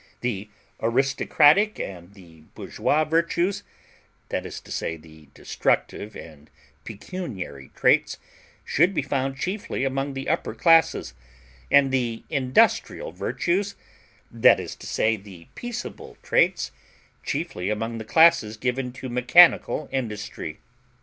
The aristocratic and the bourgeois virtues that is to say the destructive and pecuniary traits should be found chiefly among the upper classes, and the industrial virtues that is to say the peaceable traits chiefly among the classes given to mechanical industry.